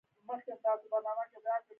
• صداقت د پاک زړه نښه ده.